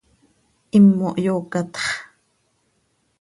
Himo hyoocatx.